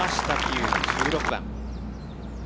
有の１６番。